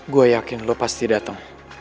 gue yakin lo pasti datang